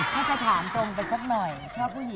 ถ้าจะถามตรงไปสักหน่อย